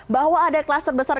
bahwa ada klaster besar